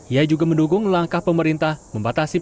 ia juga mendukung langkah pemerintah membatasi